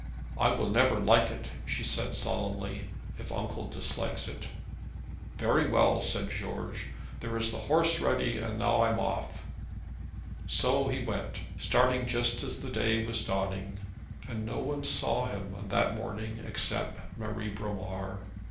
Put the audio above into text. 'I will never like it,' said she solemnly, 'if uncle dislikes it.' 'Very well,' said George. 'There is the horse ready, and now I'm off.' So he went, starting just as the day was dawning, and no one saw him on that morning except Marie Bromar.